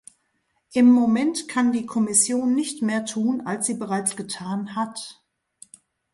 Im Moment kann die Kommission nicht mehr tun, als sie bereits getan hat.